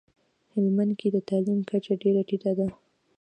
هلمندکي دتعلیم کچه ډیره ټیټه ده